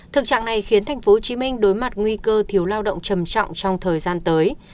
thực trạng này khiến tp hcm đối mặt nguy cơ thiếu lao động trầm trọng trong thời gian tới